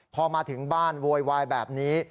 พอมาถึงบ้านโวยวายแบบนี้